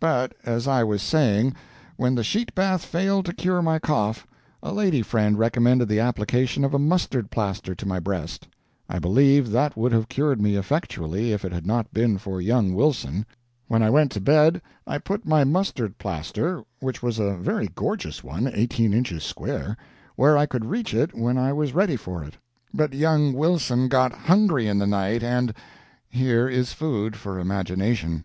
But, as I was saying, when the sheet bath failed to cure my cough, a lady friend recommended the application of a mustard plaster to my breast. I believe that would have cured me effectually, if it had not been for young Wilson. When I went to bed, I put my mustard plaster which was a very gorgeous one, eighteen inches square where I could reach it when I was ready for it. But young Wilson got hungry in the night, and here is food for the imagination.